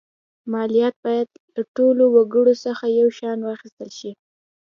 مالیات باید له ټولو وګړو څخه یو شان واخیستل شي.